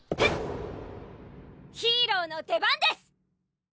ヒーローの出番です！